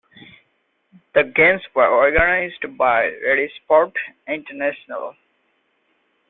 The games were organised by Red Sport International.